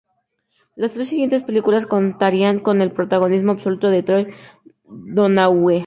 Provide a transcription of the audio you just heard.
Las tres siguientes películas contarían con el protagonismo absoluto de Troy Donahue.